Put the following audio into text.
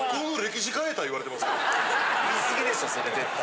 言い過ぎでしょそれ絶対。